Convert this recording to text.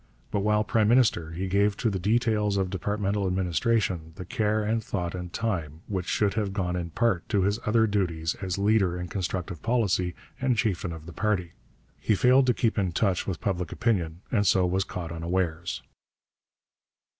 But while prime minister he gave to the details of departmental administration the care and thought and time which should have gone in part to his other duties as leader in constructive policy and chieftain of the party. He failed to keep in touch with public opinion, and so was caught unawares.